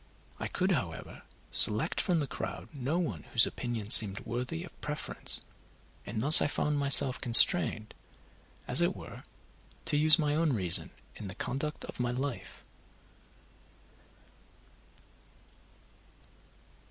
I could, however, select from the crowd no one whose opinions seemed worthy of preference, and thus I found myself constrained, as it were, to use my own reason in the conduct of my life.